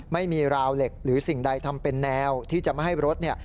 ไม่มีราวเหล็กหรือสิ่งใดทำเป็นแนวที่จะไม่ให้รถเนี่ย